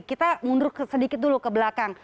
kita mundur sedikit dulu ke belakang